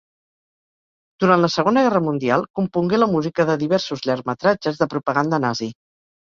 Durant la Segona Guerra Mundial, compongué la música de diversos llargmetratges de propaganda nazi.